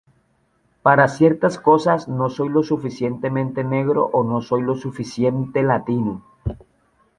Para ciertas cosas, no soy lo suficientemente negro o no soy lo suficientemente latino.